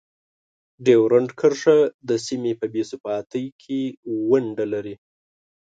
ډیورنډ کرښه د سیمې په بې ثباتۍ کې ونډه لري.